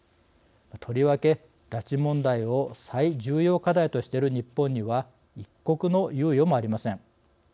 とりわけ拉致問題を最重要課題としてる日本には一刻の猶予もありません。